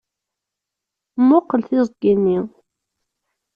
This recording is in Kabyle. Mmuqqel tiẓgi-nni!